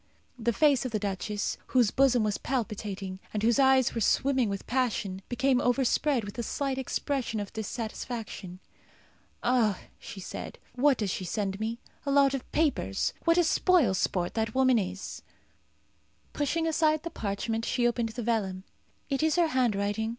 The face of the duchess, whose bosom was palpitating, and whose eyes were swimming with passion, became overspread with a slight expression of dissatisfaction. "Ah!" she said. "What does she send me? A lot of papers! What a spoil sport that woman is!" Pushing aside the parchment, she opened the vellum. "It is her handwriting.